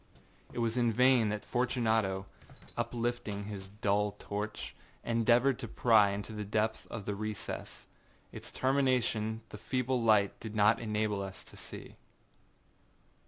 It was in vain that Fortunato, uplifting his dull torch, endeavored to pry into the depths of the recess. Its termination the feeble light did not enable us to see.